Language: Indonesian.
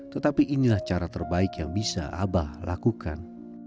tetapi inilah cara terbaik yang bisa abah lakukan